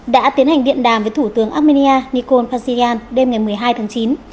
đã tiến hành điện đàm với thủ tướng armenia nikol pashin đêm ngày một mươi hai tháng chín